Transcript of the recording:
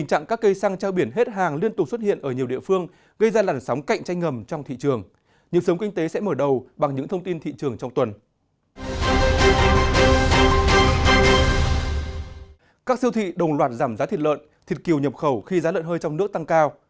các siêu thị đồng loạt giảm giá thịt lợn thịt kiều nhập khẩu khi giá lợn hơi trong nước tăng cao